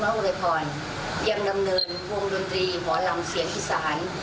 อย่างนี้ท่านทางร้านนี้ร้อนเงินร้อนนี้ก็ดีแหละ